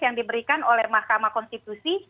yang diberikan oleh mahkamah konstitusi